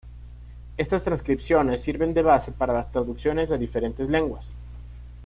Estas transcripciones sirven de base para las traducciones a diferentes lenguas.